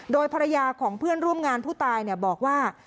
โดยภรรยาของเพื่อนร่วมงานผู้ตายบอกว่า